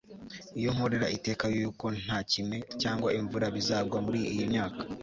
iyo nkorera iteka yuko nta kime cyangwa imvura bizagwa muri iyi myaka